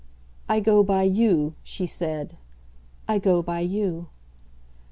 "I go by YOU," she said. "I go by you."